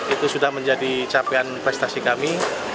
itu sudah menjadi capaian prestasi kami